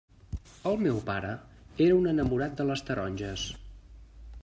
El meu pare era un enamorat de les taronges.